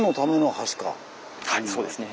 はいそうですね。